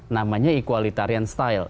namanya equalitarian style